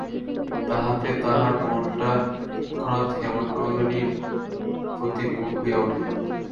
তাহাতে তাঁহার মনটা তৎক্ষণাৎ হেমনলিনীর প্রতি বিমুখ হইয়া উঠিল।